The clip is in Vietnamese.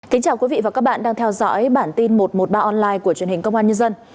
kính chào quý vị và các bạn đang theo dõi bản tin một trăm một mươi ba online của truyền hình công an nhân dân